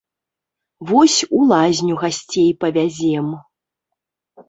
Вось, у лазню гасцей павязем.